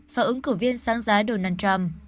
và ứng cử viên sáng giá donald trump